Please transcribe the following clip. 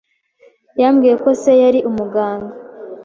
Yambwiye ko se yari umuganga.